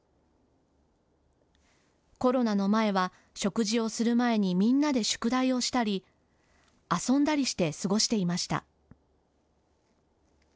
コロナの前は食事をする前にみんなで宿題をしたり遊んだりして過ごしていました。